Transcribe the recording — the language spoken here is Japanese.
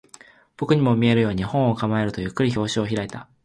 僕にも見えるように、本を構えると、ゆっくり表紙を開いた